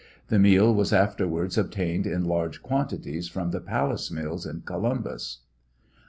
The meal was after wards obtained in large quantities from the Palace mills, in Columbus.